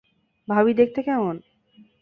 ভাবী দেখতে কেমন?